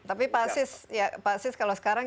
tapi pak sis kalau sekarang